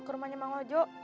ke rumahnya emang ojo